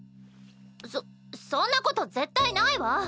そそんなこと絶対ないわ！